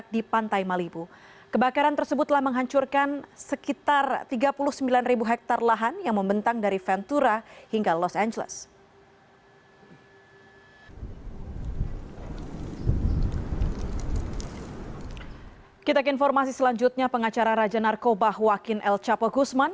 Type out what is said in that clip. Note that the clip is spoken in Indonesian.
jadi ini adalah penulisan untuk menjawab pertanyaan